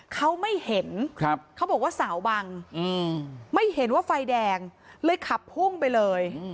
เขาไม่เห็นเขาบอกว่าสาวบังไม่เห็นว่าไฟแดงเลยขับพุ่งไปเลย